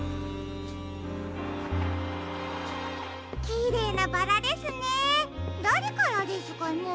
きれいなバラですね。